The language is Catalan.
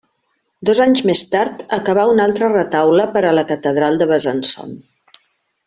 Dos anys més tard, acabà un altre retaule per a la catedral de Besançon.